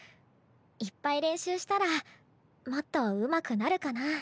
いっぱい練習したらもっとうまくなるかなあ。